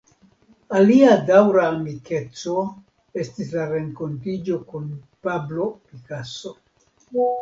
Alia daŭra amikeco estiĝis el renkontiĝo kun Pablo Picasso.